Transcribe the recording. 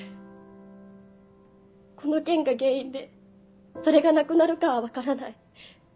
この件が原因でそれがなくなるかは分からない。